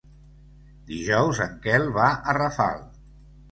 Dijous en Quel va a Rafal.